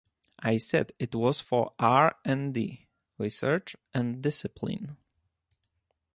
I said it was for R and D - Research and Discipline.